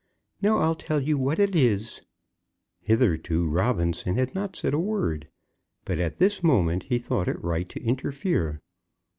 Now, I'll tell you what it is " Hitherto Robinson had not said a word; but at this moment he thought it right to interfere.